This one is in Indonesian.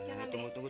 eh jangan nih